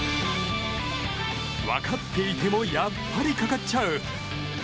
分かっていても、やっぱりかかっちゃう。